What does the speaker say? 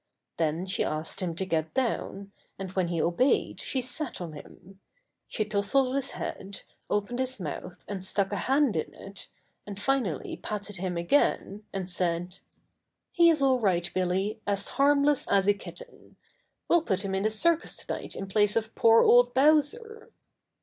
Then she asked him to get down, and when he obeyed she sat on him. She touseled his head, opened his mouth and stuck a hand in it, and finally patted him again, and said : *'He's all right, Billy, as harmless as a kit ten. We'll put him in the circus tonight in place of poor old Bowser."